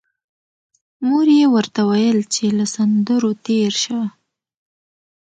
مور یې ورته ویل چې له سندرو تېر شه